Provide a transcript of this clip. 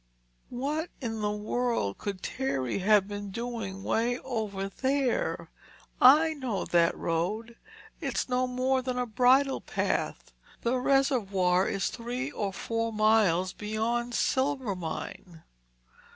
"But what in the world could Terry have been doing way over there? I know that road. It's no more than a bridle path—the reservoir is three or four miles beyond Silvermine."